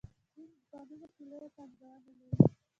چین په کانونو کې لویه پانګونه لري.